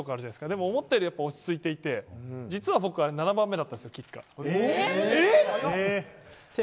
でも思ったより落ち着いていて、実は僕キッカー７番目だったんですよ。